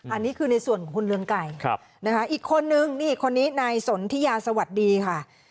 อันนี้คือในส่วนของคุณเรืองไก่นะคะอีกคนนึงนี่คนนี้นายสนทิยาสวัสดีค่ะ